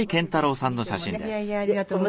ありがとうとざいます。